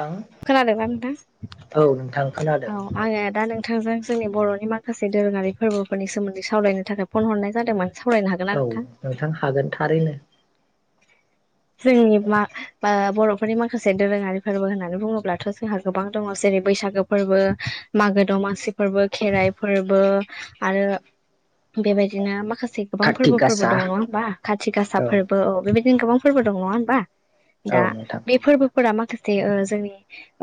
थां खोनादोंना नोंथां? औ नोंथां खोनादों औ आङो दा नों थांजों जोंनि बर'नि माखासे दोरोङारि फोरबोफोरनि सोमोन्दै सावरायायनो थाखाय फन हरनाय जादोंमोन। सावरायनो हागोन ना औ नोंथां? हागोन थारैनो जोंनि मा ओ बर'फोरनि माखासे दोरोङारि फोरबो होननानै बुङोब्लाथ' जोंहा गोबां दङ जे रै बैसागो फोरबो, मागो दमासि फोरबो, खेराइ फोरबो आरो बेबायदिनो माखा से गोबां कार्तिक फोरबोफोरबो गासा दङ नङा होनोमबा? खाथिासा फोरबो औ बेबायदिनो गोबां फोरबो दं नङा होमबा? औ दा नोंथां बे फोरबोफोरा माखासे ओ जोंनि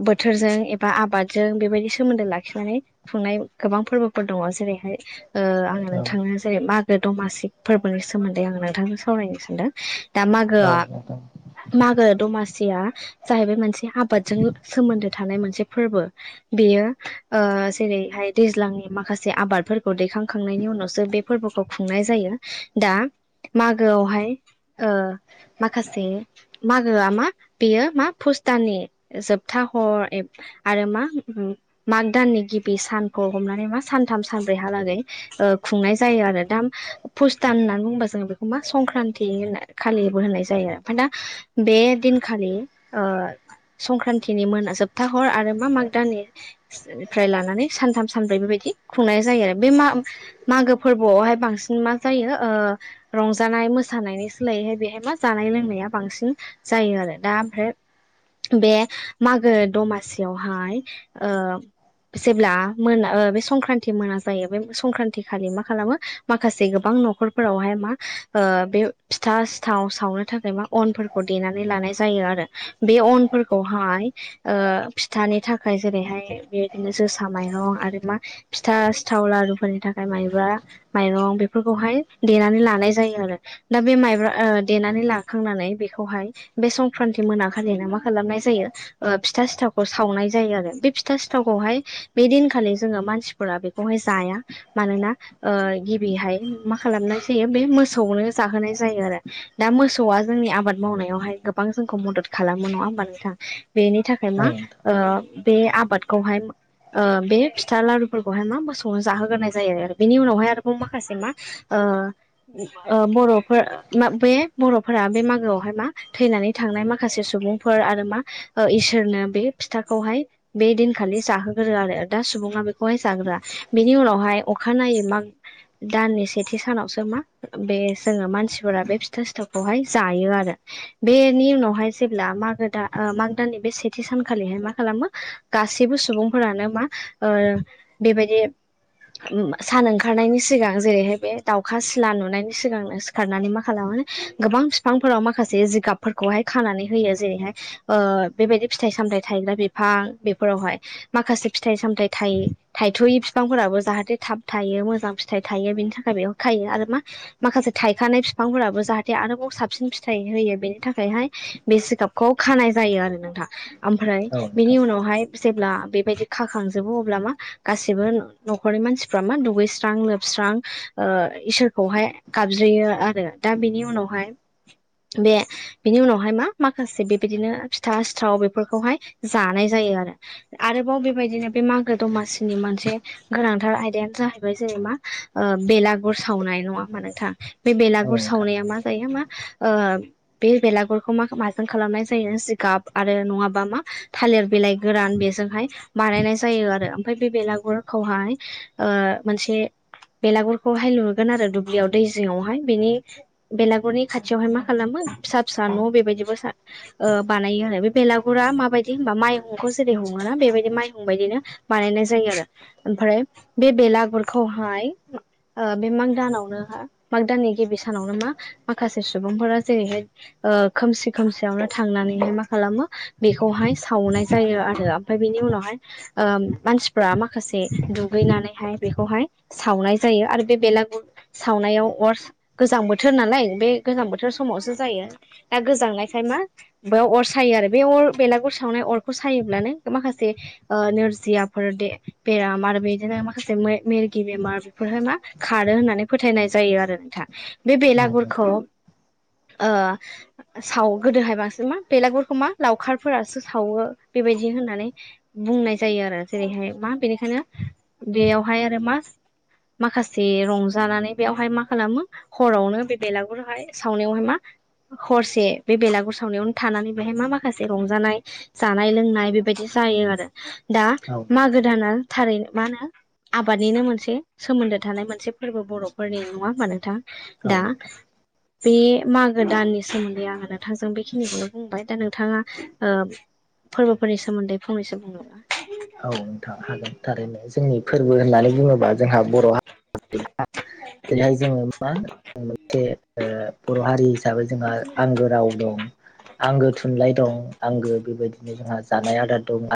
बोथोरजों एबा आबादजों बेबायदि सोमोन्दो लाखिनानै खुंनाय गोबां फोरबोफोर दङ। जेरैहाय ओ आंङो औ नोंथांनो जेरै मा गो दमासि फोरबोनि सोमोन्दै आं नोंथांजों सावरायनो सानदों। दा औ गोआ नोंथां मागो दमासिया जाहैबाय मोनसे आबादजों सोमोन्दो थानाय मोनसे फोरबो। बेयो ओ जेरै हाय दैज्लांनि माखासे आबादफोरखौ दैखांखांनायनि उनावसो बे फोरबोखौ खुंनाय जायो। दा मागोआवहाय ओ माखासे मागोआ मा बेयो मा फुस्तानि जोबथा हर ए आरो मा माग दाननि गिबि सानखौ हमनानै मा सानथाम सानब्रैहालागै ओ खुंनाय जायो आरो। दा पुस दान होननानै बुंबा जोङो बेखौ मा संक्रान्ति होन खालिबो होननाय जायो आरो ओमफ्राय दा बे दिनखालि ओ संक्रान्तिनि मोना जोबथा हर आरो मा माग दाननिफ्राय लानानै सानथाम सानब्रै बेबायदि खुंनाय जायो आरो। बे मा-मागो फोरबोआवहाय बांसिन मा जायो ओ रंजानाय-मोसानायनि सोलायैहाय बेहाय मा जानाय लोंनाया बांसिन जायो आरो। दा ओमफाय बे मागो दमासियावहाय ओ जेब्ला मोना ओ बे संक्रान्ति मोना जायो बे संक्रान्ति खालि मा खालामो माखासे गोबां न'खरफोरावहाय मा ओ बे फिथा सिथाव सावनो थाखाय मा अनफोरखौ देनानै लानाय जायो आरो। बे अनफोरखौहाय ओ फिथानि थाखाय जेरैहाय बेदिनो जोसा माइरं आरो मा फिथा सिथाव, लारुफोरनि थाखाय माइब्रा माइरं बेफोरखौहाय देनानै लानाय जायो आरो। दा बे माइब्रा ओ देनानै लाखांनानै बेखौहाय बे संक्रान्ति मोनाखालिनो मा खालामनाय जायो। ओ फिथा सिथावखौ सावनाय जायो आरो बे फिथा सिथावखौहाय बे दिनखालि जोङो मानसिफोरा बेखौहाय जाया। मानोना ओ गिबिहाय मा खालामनाय जायो बे मोसौनो जाहोनाय जायो आरो दा मोसौआ जोंनि आबाद मावनायावहाय गोबां जोंखौ मदद खालामो नङा होमबा नोंथां? बेनि थाखाय औ मा नोंथां ओ बे आब बादखौहाय ओ बे फिथा लारुफोरखौहाय मा मोसौनो जाहोग्रोनाय जायो आरो। बेनि उनावहाय आरोबाव मा माखासे मा ओ ओ बर'फोर बे बर'फोरा बे मागोआवहाय मा थैनानै थांनाय माखासे सुबुंफोर आरो मा इसोरनो बे फिथाखौहाय बे दिनखालि जाहोगोरो आरो दा सुबुङा बेखौहाय जाग्रोआ बिनि उनावहाय अखानायै माग दाननि सेथि सानावसो मा बे जोङो मानसिफोरा बे फिथा सिथावखौहाय जायो आरो। बेनि उनावहाय जेब्ला मा गो दा आ मागो दाननि बे सेथि सानखालिहाय मा खालामो गासैबो सुबुंफोरानो मा ओ बेबायदि सान ओंखारनायनि सिगां जेरैहाय बे दाउखा सिला नुनाय सिगांनो सिखारनानै मा खालामो गोबां बिफांफोराव माखासे जिगाबफोरखौहाय खानानै होयो। जेरैहाय ओ बेबायदि फिथाइ सामथथाय थायग्रा बिफां बेफोरावहाय माखासे फिथाइ सामथायाइ थाय थायथ'यि बिफांफोराबो जाहाथे थाब थायो, मोजां फिथाइ थायो, बिनि थाखाय बेखौ खायो आरो मा माखासे थायखानाय बिफांफोराबो जाहाथे आरोबाव साबसिन फिथाइ होयो बेनि थाखायहाय बे जिगाबखौ खानाय जायो आरो नोंथां। ओमफ्राय औ नोंथां औ बेनि नोंथां उनावहाय जेब्ला बेबायदि खाखांजोबो अब्ला मा गासैबो न'खरनि मानसिफ्र मा दुगैस्रां लोबस्रां आं ओ इसोरखौहाय गाबज्रियो आरो दा बिनि उनावहाय बे बिनि उनावहाय मा माखासे बेबायदिनो फिथा सिथाव बेफोरखौहाय जानाय जा [unintelligible] आरो आरोबाव बेबायदिनो बे मागो दमासिनि मोनसे गोनांथार आयदायानो जाहैबाय जेरै मा बेलागुर सावनाय नङा होनबा नोंथां बे औ बेलागुर नोंथां औ नोंथां सावनाया मा जायो होमा ओ बे बेलागुरखौ मा माजों खालामनाय जायो जिगाब आरो नङाबा मा थाल लेर बिलाइ गोरान बेजोंहाय बानायनाय जायो आरो ओमफाय बे बेलागुरखौहाय ओ मोनसे बेलागुरखौहाय लुगोन आरो दुब्लियाव दै जिङआवहाय बेनि बेलागुरनि खाथियावहाय मा खालामो फिसा फिसा न' बेबायदिबो [unintelligible] ओ बानायो आरो बे बेलागुरा माबायदि होमबा माइहुंखौ जेरै हहमोना बेबायदि माइहुं बायदिनो बानाय नाय जायो आरो ओमफाय बे बेलागुरखौहाय ओ बे माग दानावनो हा माग दाननि गिबि सानावनो मा माखासे सुबुंफोरा जेरैहाय खोमसि खोमसियावनो थाङो नानैहाय मा खालामो बेखौहाय सावनाय जायो आरो आमफाय बेनि उनावहाय ओम मानसि फ्रा माखासे दुगैनानैहाय बेखौहाय सावनाय जायो आरो बे बेलागुर सा सावनायाव अर गोजां बोथोर नालाय बे गोजां बोथोर समावसो जायो दा गोजांनायखाय मा बेयाव अर सायो आरो बे अर बेलागुर सावनाय अरखौ सायोब्लानो माखासे नोरजिया [unintelligible] बेराम आरो बेदिनो माखासे मिरगि बेमार बेफोरहाय मा खारो होननानै फोथायनाय जायो आरो नोंथा बे बेलागुरखौ ओ सावो गोदोहाय बांसिन मा बेलागुरफोरखौ मा लावखारफोरासो सावो बेबायदि होननानै बुंनाय जायो आरो जेरैहाय मा बेनिखायनो बेयावहाय आरो मा माखासे रं जानानै बेयावहाय मा खालामो हरावनो बे बेलागुरहाय सावनायावहाय मा हरसे बे बेलागुर सावनायावनो थानानै बेहाय मा माखासे रंजानाय जानाय लोंनाय बेबायदि [unintelligible] आरो दा औ मागो दाना थारैनो मा होनो आबादनिनो मोनसे सोमोन्दो थानाय मोनसे फोरबो बर'फोरनि नङा होनोमबा नोंथां? दा नोंथां बे मागो दाननि सोमोन्दै इंसान नोंथांजों बेखिनिखौनो बुंबाय दा नोंथाङा ओ फोरबोफोरनि सोमोन्दै फंनैसो बुंनोबा औ नोंथां हागोन थारैनो जोंनि फोरबो होननानै बुङोबा जोंहा बर' हा [unintelligible] रैहाय जोङो मा [unintelligible] ओ बर' हारि हिसाबै जोंहा आंगो राव दं आंगो थुनलाइ दं आंगो बेबायदिनो जोंहा जानाय आदार दं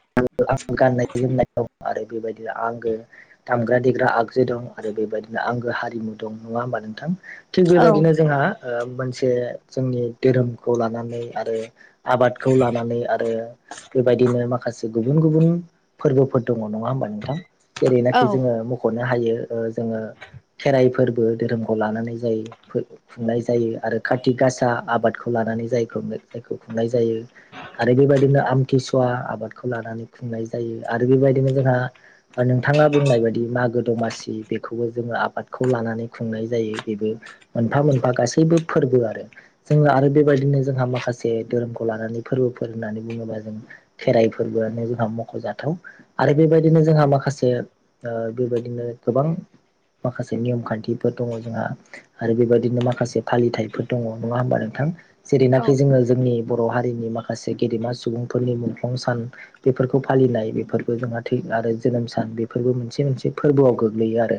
गाननाय जोमनाय औ आरो बेबायदिनो आंगो दामग्रा देग्रा आगजु दं आरो बेबायदिनो आंगो हारिमु दं नङा होमबा नोंथां थिग औ बेबादिनो जोंहा मोनसे जोंनि धोरोमखौ लानानै आरो आबादखौ लानानै आरो बेबायदिनो माखासे गुबुन गुबुन फोरबोफोर दङ नङा होमबा नोंथां औ जेरैनाखि जोङो मख'नो हायो जोङो खेराइ फोरबो धोरोमखौ लानानै जायो फोरबो खुंनाय जायो आरो काति गासा आबादखौ लानानै [unintelligible] खुंनाय जायो आरो बेबायदिनो आमथि सुवा आबादखौ लानानै खुंनाय जायो आरो बेबायदिनो जोंहा ओ नोंथाङा बुंनाय बायदिब्ला मागो दमासि बेखौबो जोङो आबादखौ लानानै खुंनाय जायो बेबो मोनफा मोनफा गासैबो फोरबो आरो जोङो आरो बेबायदिनो जोंहा माखासे धोरोमखौ लानानै फोरबोफोर होननानै बुङोबा जों खेराइ फोरबोआनो मख'जाथाव आरो बेबायदिनो जोंहा माखासे ओ बेबायदिनो गोबां माखासे नियम खान्थिफोर दङ जोंहा आरो बेबायदिनो माखासे फालिथायाइफोर दङ नङा होमबा नोंथां जेरैनाखि जोङो जोंनि बर' हारिनि माखासे गेदेमा सुबुंफोरनि मुंख्लं सान बेफोरखौ फालिनाय बेफोरखौ जोंहा थि आरो जोनोम सान बेफोरबो मोनसे मोनसे फोरबोआव गोग्लैयो आरो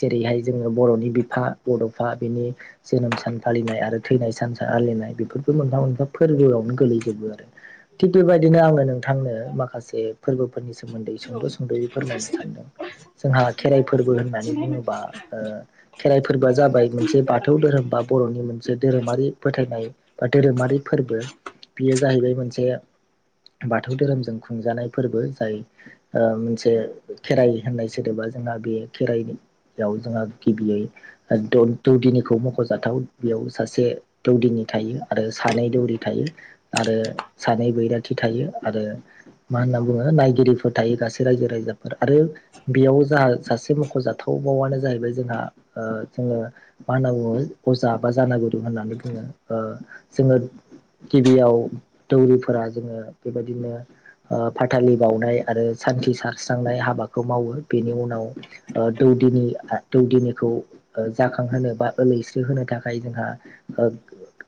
जेरैहाय जोङो बर'नि बिफा बड'फा बिनि जोनोम सान फालिनाय आरो थैनाय सान [unintelligible] फालिनाय बे मोनफा मोनफा फोरबोआवनो गोलैजोबो आरो थिग बेबायदिनो आङो नोंथांनो माखासे फोरबोफोरनि सोमोन्दै सुंद' सुंद'यै फोरमायनो सानदों जोंहा खेराइ फोरबो होननानै बुङोबा ओ खेराइ फोरबोआ जाबाय मोनसे बाथौ धोरोम बा बर'नि मोनसे धोरोमारि फोथायनाय बा धोरोमारि फो फोरबो बेयो जाहैबाय मोनसे बाथौ धोरोमजों खुंजानाय फोरबो जाय ओ मोनसे खेराइ होननाय सोदोबा जोंहा बे खेराइनि बेयाव जोंहा गिबियै दौदिनिखौ मख'जाथाव बेयाव सासे दौदिनि थायो आरो सानै दौरि थायो आरो सानै बैराथि थायो आरो मा होनना बुङो नायगिरिफोर थायो गासै रायजो राजाफोर आरो बेयाव जाहा सासे मख'जाथाव दौरिआनो जाहैबाय जोंहा जोङो मा होनना बुङो अजा बा जानो गुुरुं होननानै बुङो। ओ जोङो गिबियाव दौरिफोरा जोङो बेबायदिनो ओ फाथालि बावउनाय आरो सान्थि सारस्रांनाय हाबाखौ मावो बेनि उनाव दौदि दौदिनिखौ जाखांहोनो बा ओलैस्रो होनो थाखाय जोंहा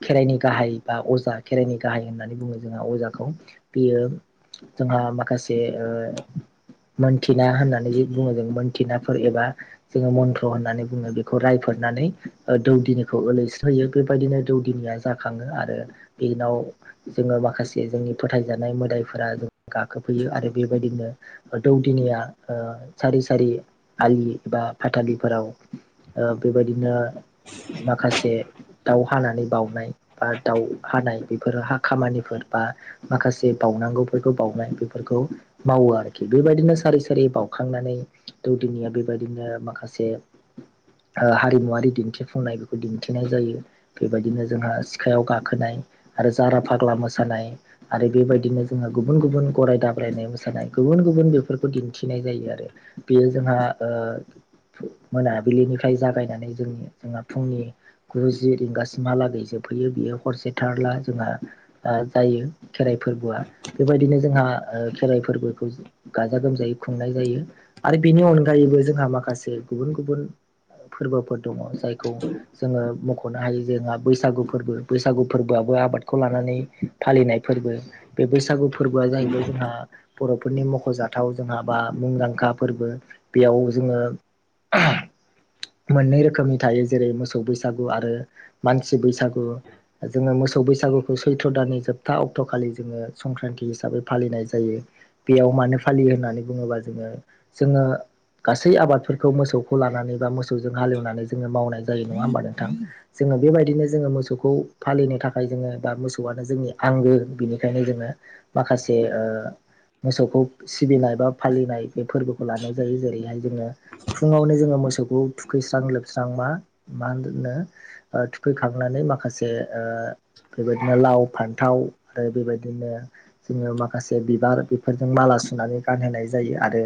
खेराइनि गाहाय बा अजा खेराइनि गाहाय होननानै बुङो जोंहा अजाखौ बियो जोंहा माखासे ओ मोनथिना होननानै बुङो जों मोनथिनाफोर एबा जोङो मन्त्र होन्नानै बुङो बेखौ रायफोर होनानै दौदिनिखौ ओलैस्रो होयो बेबायदिनो दौदिनिया जाखाङो आरो बेनाव जोङो माखासे जोंनि फोथायजानाय मोदाय फोरा गाखोफैयो आरो बेबायदिनो दौदिनिया ओ सारि सारि आलि एबा फाथालिफोराव ओ बेबायदिनो माखासे दाउ हानानै बाउनाय बा दाउ हानाय बेफोरो हा खामानिफोर बा माखासे बावनांगौ बावनाय बेफोरखौ मावो आरोखि बेबायदिनो सार सारि बावउखांनानै दौदिनिया बेबायदिनो माखासे हारिमुवारि दिन्थिफुंनाय बेखौ दिन्थिनाय जायो बेबायदिनो जोंहा सिखायाव गाखोनाय आरो जारा फाग्ला मोसानाय आरो बेबायदिनो जोहा गुबुन गुबुन गराय दाब्रायनाय मोसानाय गुबुन गुबुन बेफोरखौ दिन्थिनाय जायो आरो बेयो जोंहा ओ मोनाबिलिनिफ्राय जागायनानै जों जोंहा फुंनि गु जि रिंगासिमहालागै जोब फैयो बियो हरसे थारला जोंहा ओ जायो खेराय बेबायदिनो जोंहा खेराइ फोरबोखौ गाजा गोमजायै खुंनाय जायो आरो बिनि अनगायैबो जोंहा माखासे गुबुन गुबुन फोरबोफोर दङ जायखौ जोङो म खनो हायो जोंहा बैसागु फोरबो बैसागु फोरबोआबो आबादखौ लानानै फालिनाय फोरबो बे बैसागु फोरबोआ जाहैबाय जोंहा बर'फोरनि मख'जाथाव जोंहा बा मुंदांखा फोरबो बेयाव जोङो [inaudible] मोननै रोखोमनि थायो जेरै मोसौ बैसागु आरो मानसि बैसागु जोङो मो सौ बैसागुखौ सैथ्र' दाननि जोबथा अक्ट'खालि जोङो संक्रान्ति हिसाबै फालिनाय जायो बेयाव मानो फालियो होननानै बुङोबा जोङो, जोङो गासै आबादफोरखौ मोसौखौ लानानै बा मोसौजों हालेवनानै जोङो मावनाय जायो नङा होमबा नोंथां जों बेबायदिनो जोङो मोसौखौ फालिनो थाखाय जोङो बा मोसौआनो जोंनि आंगो बिनिखायनो जोंङो माखासे ओ मोसौखौ सिबिनाय बा फालिनाय बे फोरबोखौ लानाय जायो जेरैहाय जोङो फुङावनो जोङो मोसौखौ थुखैस्रां लोबस्रां मा मा होनो थुखैखांनानै माखासे ओ बेबायदिनो लाव फान्थाव आरो बेबायदिनो जोङो माखासे बिबार बेफोरजों माला सुनानै गानहोनाय जायो आरो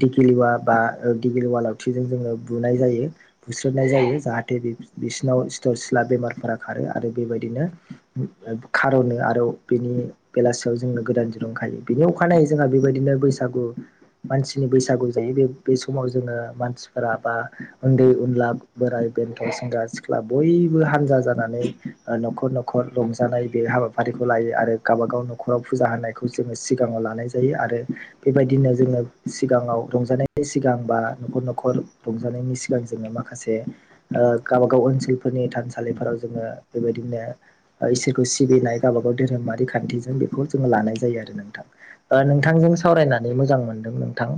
दिल्गि बा गिगिलवा लावथिजों जोङो बुनाय जायो बुस्रोनाय जायो जाहाथे बिसिनाव सिथर सिला बेमारफोरा खारो आरो बेबायदिनो खार'नो आरो बेनि बेलासियाव जोंनो गोदान दिरुं खायो बेनि अखानायै जोंहा बेबायदिनो बैसागु मानसिनि बैसागु जा यो बे समाव जोङो मानसिफोरा बा उन्दै-उनला, बोराय बेन्थ', सेंग्रा-सिख्ला बयबो हानजा जानानै ओ न'खर न'खर रंजानाय बे हाबाफारिखौ लायो आरो गावबाागाव न'खराव फुजा होनायखौ जोङो सिगाङाव लानाय जायो आरो बेबायदिनो जोङो सिगाङाव रंजानायनि सिगां बा न'खर न'खर रंजानायनि सिगां जोङो माखासे गावबा गाव ओनसोलफोरनि थानसालिफोराव जोङो बेबायदिनो इसोरखौ सिबिनाय गावबागाव धोरोमारि खान्थिजों बेखौ जोंङो लानाय जायो आरो नोंथां ओ नोंथांजों सावरायनानै मोजां मोनदों नोंथां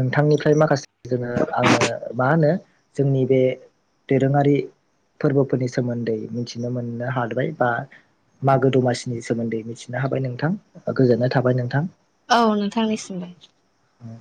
नोंथांनिफ्राय माखासे जोङो आङो मा होनो जोंनि बे दोरोङारि फोरबोफोरनि सोमोन्दै मिथिनो मोननो हादबाय बा मागो दमासिनि सोमोन्दै थिनो हाबाय नोंथां गोजोननाय थाबाय नोंथां औ नोंथांनिसिमबो हो [unintelligible]